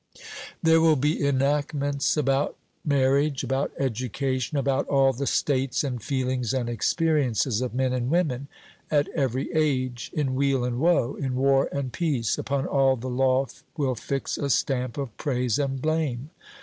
There will be enactments about marriage, about education, about all the states and feelings and experiences of men and women, at every age, in weal and woe, in war and peace; upon all the law will fix a stamp of praise and blame.